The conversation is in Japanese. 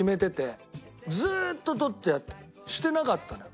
ずーっと取ってあってしてなかったのよ。